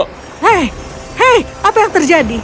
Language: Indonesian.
hei hei apa yang terjadi